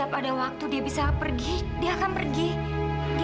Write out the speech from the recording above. atau maka far carrie